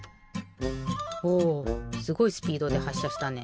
おすごいスピードではっしゃしたね。